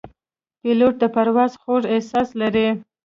پیلوټ د پرواز خوږ احساس لري.